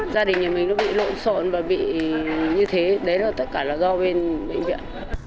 gia đình nhà mình nó bị lộn xộn và bị như thế đấy là tất cả là do bên bệnh viện